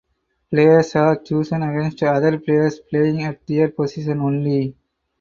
Players are chosen against other players playing at their position only.